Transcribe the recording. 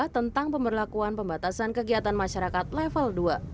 tentang pemberlakuan pembatasan kegiatan masyarakat level dua